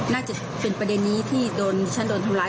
น่าจะเป็นประเด็นนี้ที่โดนฉันโดนทำร้าย